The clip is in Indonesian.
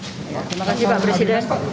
terima kasih pak presiden